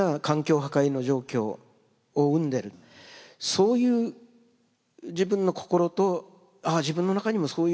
そういう自分の心と「ああ自分の中にもそういう気持ちがある」と。